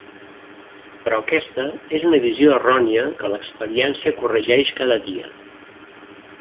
Però aquesta és una visió errònia que l'experiència corregeix cada dia.